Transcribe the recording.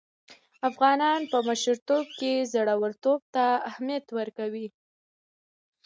افغانان په مشرتوب کې زړه ورتوب ته اهميت ورکوي.